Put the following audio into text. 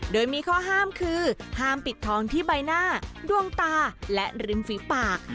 โดยมีข้อห้ามคือห้ามปิดทองที่ใบหน้าดวงตาและริมฝีปาก